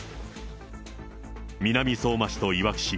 南相馬市といわき市。